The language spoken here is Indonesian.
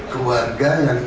keluarga yang ikut